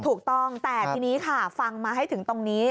ถูกต้องแต่ทีนี้ค่ะฟังมาให้ถึงตรงนี้